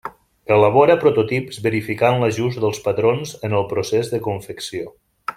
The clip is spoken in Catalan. Elabora prototips verificant l'ajust dels patrons en el procés de confecció.